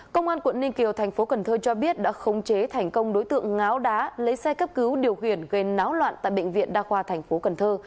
công an quận ninh kiều thành phố cần thơ cho biết đã khống chế thành công đối tượng ngáo đá lấy xe cấp cứu điều khiển gây náo loạn tại bệnh viện đa khoa thành phố cần thơ